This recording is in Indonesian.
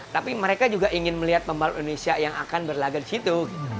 tapi mereka juga ingin melihat pembalap indonesia yang akan berlagak di situ